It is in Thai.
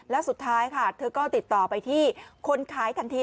แล้วสุดท้ายค่ะเธอก็ติดต่อไปที่คนขายทันที